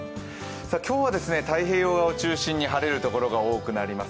今日は太平洋側を中心に晴れるところが多くなります。